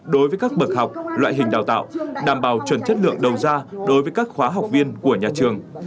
đối với các bậc học loại hình đào tạo đảm bảo chuẩn chất lượng đầu ra đối với các khóa học viên của nhà trường